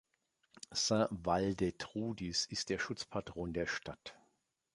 Saint-Waldetrudis ist der Schutzpatron der Stadt.